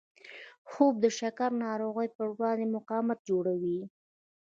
خوب د شکر ناروغۍ پر وړاندې مقاومت جوړوي